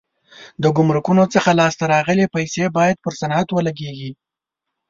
د ګمرکونو څخه لاس ته راغلي پیسې باید پر صنعت ولګېږي.